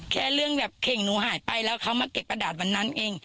แค่เรื่องแบบเข่งหนูหายไปแล้วเขามาเก็บกระดาษวันนั้นเอง